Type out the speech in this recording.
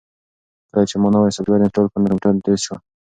کله چې ما نوی سافټویر انسټال کړ نو کمپیوټر تېز شو.